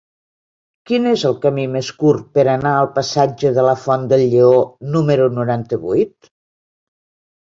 Quin és el camí més curt per anar al passatge de la Font del Lleó número noranta-vuit?